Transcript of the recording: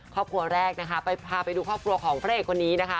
ครอบครัวแรกพาไปดูครอบครัวของพระเอกคนนี้